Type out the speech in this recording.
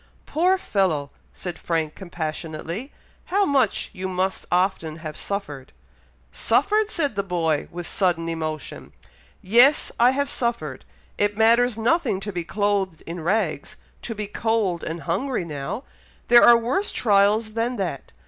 "Poor fellow!" said Frank, compassionately; "how much you must often have suffered!" "Suffered!" said the boy, with sudden emotion. "Yes! I have suffered! It matters nothing to be clothed in rags, to be cold and hungry now! There are worse trials than that!